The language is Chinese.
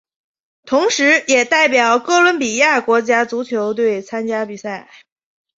同时也代表哥伦比亚国家足球队参加比赛。